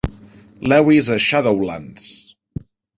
Lewis a "Shadowlands".